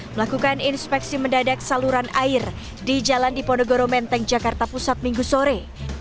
melakukan inspeksi mendadak saluran air di jalan diponegoro menteng jakarta pusat minggu sore